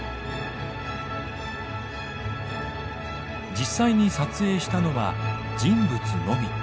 実際に撮影したのは人物のみ。